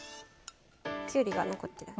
きゅうりが残ってる。